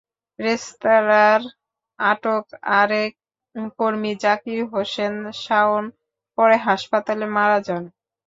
রেস্তোরাঁর আটক আরেক কর্মী জাকির হোসেন শাওন পরে হাসপাতালে মারা যান।